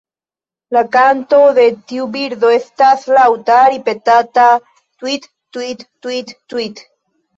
La kanto de tiu birdo estas laŭta ripetata "tŭiit-tŭiit-tŭiit-tŭiit".